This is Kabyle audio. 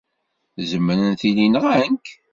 Zemren tili nɣan-k.